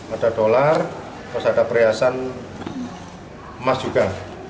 ada dolar terus ada perhiasan emas juga